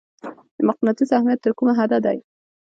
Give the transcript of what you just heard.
د مقناطیس اهمیت تر کومه حده دی؟